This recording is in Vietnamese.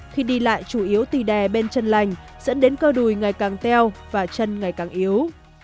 khi đi lại chủ yếu tì đè bên chân lành dẫn đến cơ đùi ngày càng teo và chân ngày càng yếu